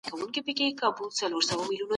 ما په دغه کمپیوټر کي د هیلو په اړه یو شعر ولیکلی.